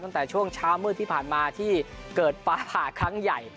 ตั้งแต่ช่วงเช้ามืดที่ผ่านมาที่เกิดฟ้าผ่าครั้งใหญ่